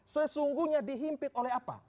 sesungguhnya dihimpit oleh apa